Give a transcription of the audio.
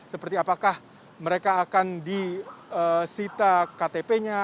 seperti apakah mereka akan disita ktp nya